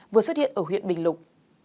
vừa xuất hiện ở huyện bình lục